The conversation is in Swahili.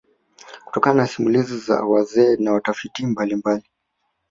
Kutokana na simulizi za wazee na watafiti mbalimbali